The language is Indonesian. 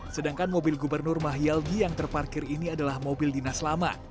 sedangkan mobil gubernur mahyaldi yang terparkir ini adalah mobil dinas lama